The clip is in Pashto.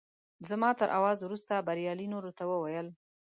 زما تر اواز وروسته بریالي نورو ته وویل.